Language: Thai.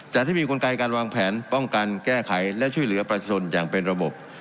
ที่มีกลไกการวางแผนป้องกันแก้ไขและช่วยเหลือประชาชนอย่างเป็นระบบ